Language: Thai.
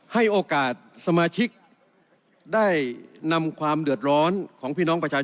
ให้โอกาสสมาชิกได้นำความเดือดร้อนของพี่น้องประชาชน